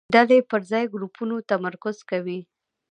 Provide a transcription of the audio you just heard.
ډلې پر ځای ګروپونو تمرکز کوي.